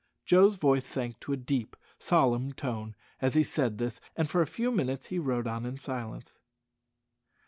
Joe's voice sank to a deep, solemn tone as he said this, and for a few minutes he rode on in silence.